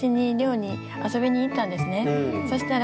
そしたら。